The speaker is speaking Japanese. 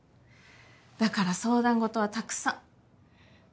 だから相談事はたくさん。